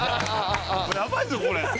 やばいぞこれ。